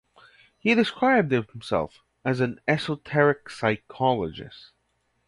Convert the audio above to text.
He described himself as an "esoteric psychologist".